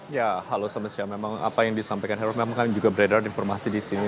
ya halo semuanya memang apa yang disampaikan heron memang kami juga beredar informasi di sini